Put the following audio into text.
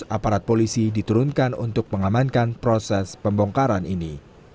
aparat polisi diturunkan untuk mengamankan proses pembongkaran ini